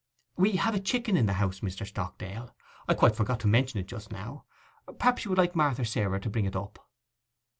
'We have a chicken in the house, Mr. Stockdale—I quite forgot to mention it just now. Perhaps you would like Marther Sarer to bring it up?